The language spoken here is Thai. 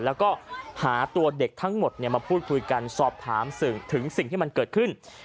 แล้วก็หาตัวเด็กทั้งหมดมาพูดคุยกันสอบถามสื่อถึงสิ่งที่มันเกิดขึ้น